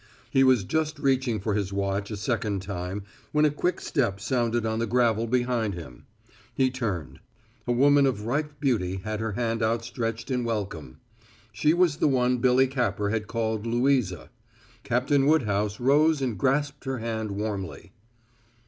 He was just reaching for his watch a second time when a quick step sounded on the gravel behind him. He turned. A woman of ripe beauty had her hand outstretched in welcome. She was the one Billy Capper had called Louisa. Captain Woodhouse rose and grasped her hand warmly.